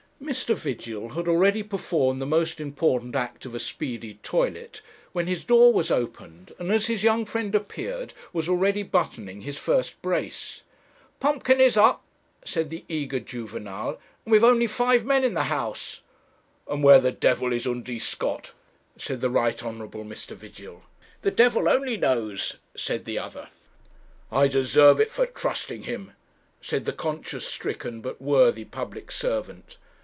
Mr. Vigil had already performed the most important act of a speedy toilet, when his door was opened, and as his young friend appeared was already buttoning his first brace. 'Pumpkin is up!' said the eager juvenile,' and we have only five men in the house.' 'And where the devil is Undy Scott?' said the Right Hon. Mr. Vigil. 'The devil only knows,' said the other. 'I deserve it for trusting him,' said the conscience stricken but worthy public servant.